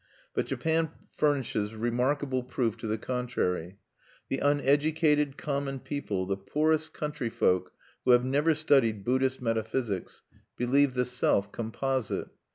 But Japan furnishes remarkable proof to the contrary. The uneducated common people, the poorest country folk who have never studied Buddhist metaphysics, believe the self composite.